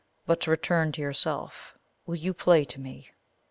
But to return to yourself. Will you play to me?"